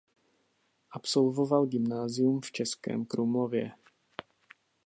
Absolvoval gymnázium v Českém Krumlově.